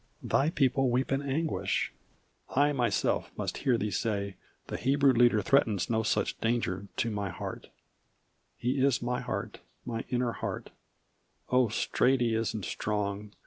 Thy people weep in anguish I myself must hear thee say The Hebrew leader threatens no such danger to my heart "He is my heart my inner heart; 0 straight he is and strong!